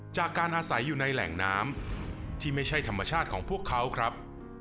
จากการอาศัยอยู่ในแหล่งน้ำที่ไม่ใช่ธรรมชาติของพวกเขาครับ